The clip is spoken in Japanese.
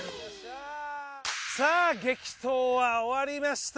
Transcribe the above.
さあ激闘は終わりました。